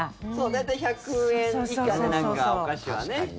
大体１００円以下でなんか、お菓子はね。